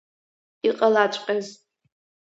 Иҟалаҵәҟьаз.